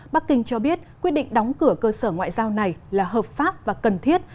bắc kinh cho biết quyết định đóng cửa cơ sở ngoại giao này là hợp pháp và cần thiết